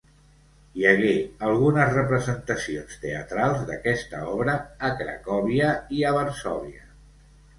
Hi hagué algunes representacions teatrals d'aquesta obra a Cracòvia i a Varsòvia.